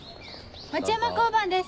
町山交番です